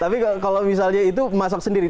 tapi kalau misalnya itu masak sendiri